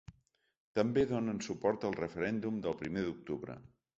També donen suport al referèndum del primer d’octubre.